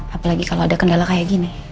apalagi kalau ada kendala kayak gini